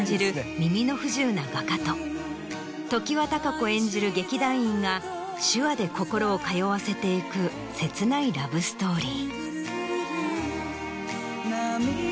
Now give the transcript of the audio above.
耳の不自由な画家と常盤貴子演じる劇団員が手話で心を通わせてゆく切ないラブストーリー。